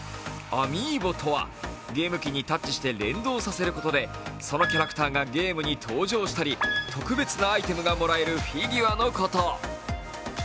ａｍｉｉｂｏとは、ゲーム機にタッチして連動させることでそのキャラクターがゲームに登場したり、特別なアイテムがもらえるフィギュアのこと。